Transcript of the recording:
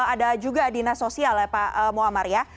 ada juga dinas sosial ya pak muammar ya